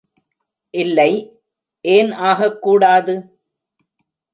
இல்லை, ஏன் ஆகக்கூடாது?.....